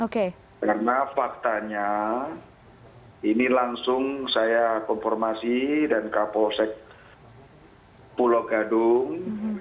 karena faktanya ini langsung saya konformasi dan kapolsek pulau gadung